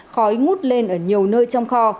khói ngút lên ở nhiều nơi trong kho